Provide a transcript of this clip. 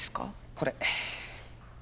これ。